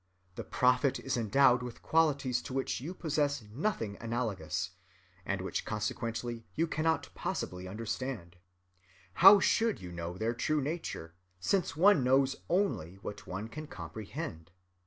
The prophet is endowed with qualities to which you possess nothing analogous, and which consequently you cannot possibly understand. How should you know their true nature, since one knows only what one can comprehend?